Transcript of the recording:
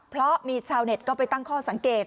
เพราะมีชาวเน็ตก็ไปตั้งข้อสังเกต